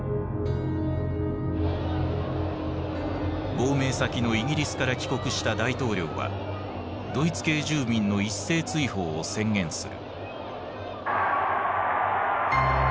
亡命先のイギリスから帰国した大統領はドイツ系住民の一斉追放を宣言する。